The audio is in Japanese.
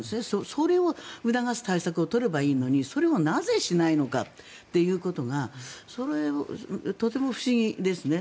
それを促す対策を取ればいいのにそれをなぜしないのかということがそれはとても不思議ですね。